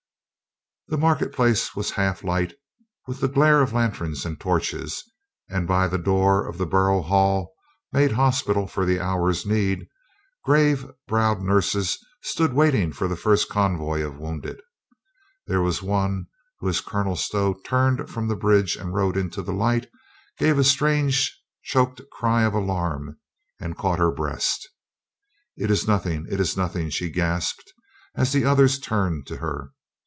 The market place was half light with the glare of lanterns and torches and by the door of the bor ough hall, made hospital for the hour's need, grave browed nurses stood waiting for the first convoy JOAN NORMANDY SEES A FRIEND i8i of wounded. There was one who as Colonel Stow turned from the bridge and rode into the light gave a strange choked cry of alarm and caught her breast. "It is nothing, it is nothing," she gasped as the others turned to her.